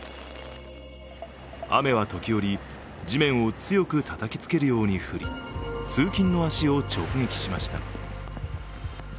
雨は時折、地面を強くたたきつけるように降り通勤の足を直撃しました。